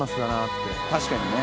確かにね。